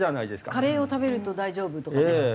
カレーを食べると大丈夫とかね。